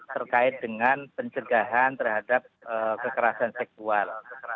terkait dengan pencegahan terhadap kekerasan seksual